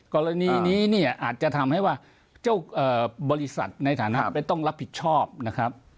กรณีนี้เนี่ยอาจจะทำให้ว่าเจ้าบริษัทในฐานะไม่ต้องรับผิดชอบนะครับ